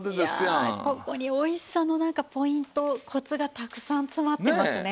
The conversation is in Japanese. いやここにおいしさのなんかポイントコツがたくさん詰まってますね。